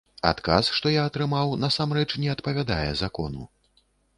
А адказ, што я атрымаў, насамрэч не адпавядае закону.